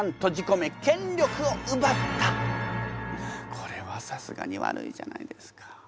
これはさすがに悪いじゃないですか。